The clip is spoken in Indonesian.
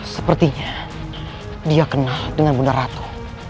sepertinya dia kenal dengan bunda ratu